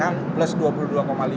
kenapa lebih mahal